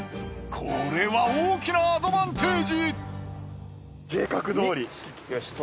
これは大きなアドバンテージ！